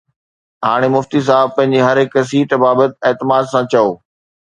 هاڻي مفتي صاحب پنهنجي هر هڪ سيٽ بابت اعتماد سان چئو